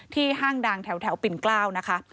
ห้างดังแถวปิ่นเกล้านะคะ